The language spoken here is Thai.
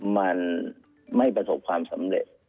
มันไม่ประสบความสำเร็จ